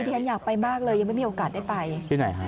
เตี่ยนอยากไปมากเลยยังไม่มีโอกาสได้ไป